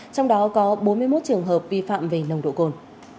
trong đó có bốn mươi một trường hợp vi phạm về nồng độ cồn